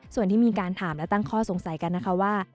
ส่วนที่มีการถามและตั้งข้อสงสัยกันนะคะว่า